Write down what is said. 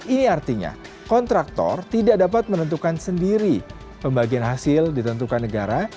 ini artinya kontraktor tidak dapat menentukan sendiri pembagian hasil ditentukan negara